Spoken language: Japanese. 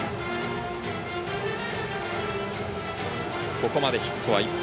ここまでヒットは１本。